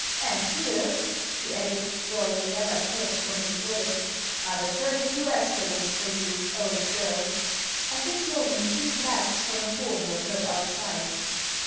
And here," he added, drawing a leather purse from his wallet, " are the thirty two escalins for you, old girl." At this moment three blasts from a horn were heard outside.